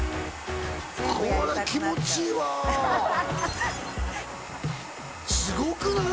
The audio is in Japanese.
これ気持ちいいわすごくない？